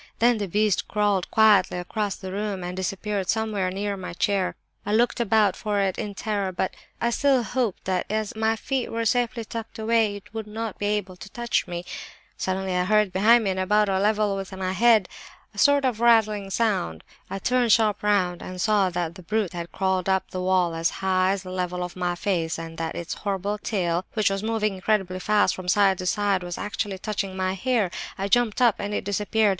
Then the beast crawled quietly across the room and disappeared somewhere near my chair. I looked about for it in terror, but I still hoped that as my feet were safely tucked away it would not be able to touch me. "Suddenly I heard behind me, and about on a level with my head, a sort of rattling sound. I turned sharp round and saw that the brute had crawled up the wall as high as the level of my face, and that its horrible tail, which was moving incredibly fast from side to side, was actually touching my hair! I jumped up—and it disappeared.